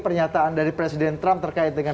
pernyataan dari presiden trump terkait dengan